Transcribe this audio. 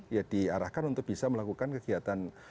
ya diarahkan untuk bisa melakukan kegiatan